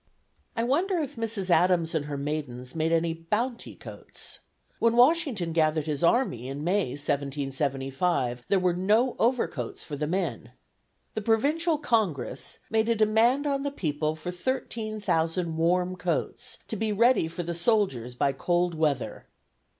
I wonder if Mrs. Adams and her maidens made any "Bounty Coats." When Washington gathered his army in May, 1775, there were no overcoats for the men. The Provincial Congress "made a demand on the people for thirteen thousand warm coats to be ready for the soldiers by cold weather."